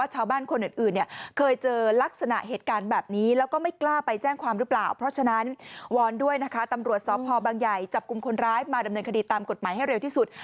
เพราะว่าจะเอาคนร้ายมาดำเนินคดีตามกฎหมายให้เร็วที่สุด